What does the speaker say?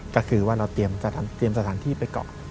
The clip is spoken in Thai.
ก็คือว่าเราเตรียมสถานที่ไปเกาะ